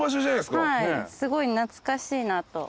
すごい懐かしいなと。